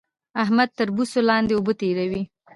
احمد تر بوسو لاندې اوبه تېروي